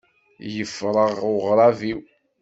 Yefreɣ ugrab-iw.